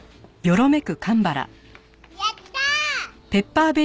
やったー！